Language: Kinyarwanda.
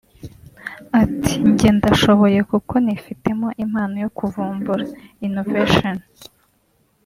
Ati “ Jjye ndashoboye kuko nifitemo impano yo kuvumbura (Innovation)